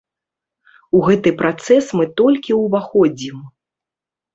У гэты працэс мы толькі ўваходзім.